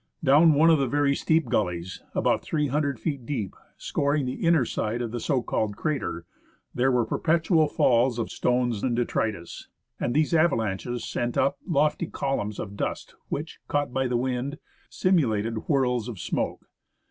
Down one of the very steep gullies, about 300 feet deep, scor ing the inner side of the so called crater, there were perpetual falls of stones and detritus ; and these avalanches sent up lofty columns of dust which, caught by the wind, simulated whirls of smoke.